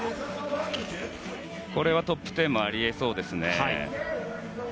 トップ１０もあり得そうですね。